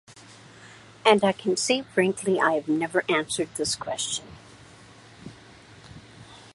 And I can say frankly, I have never answered this question.